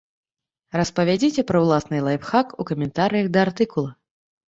Распавядзіце пра ўласны лайфхак у каментарыях да артыкула!